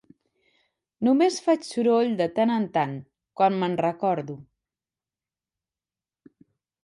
Només faig soroll de tant en tant, quan me'n recordo.